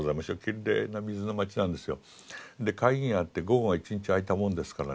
きれいな水の町なんですよ。で会議があって午後が１日空いたものですからね